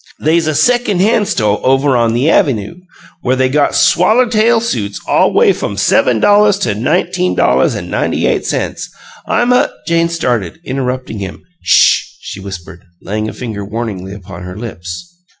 They's a secon' han' sto' ovuh on the avynoo, where they got swallertail suits all way f'um sevum dolluhs to nineteem dolluhs an' ninety eight cents. I'm a " Jane started, interrupting him. "'SH!" she whispered, laying a finger warningly upon her lips.